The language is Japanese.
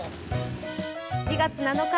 ７月７日